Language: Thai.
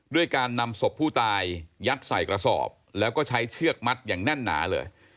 ด้วยการนำศพผู้ตายยัดใส่กระสอบแล้วก็ใช้เชือกมัดอย่างแน่นหนาเลย